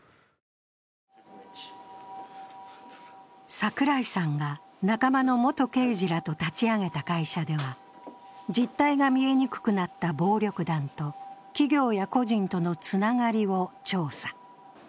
櫻井さんが仲間の元刑事らと立ち上げた会社では実態が見えにくくなった暴力団と企業や個人とのつながりを調査。